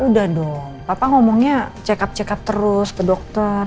udah dong papa ngomongnya check up check up terus ke dokter